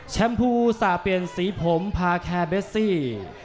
แชมพูสาเปียนสีผมพาแคเบสซี่